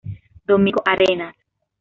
Domingo Arenas